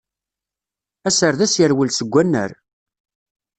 Aserdas yerwel seg wannar.